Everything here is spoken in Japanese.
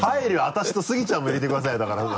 私とスギちゃんも入れてくださいよ。